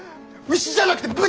牛じゃなくて豚！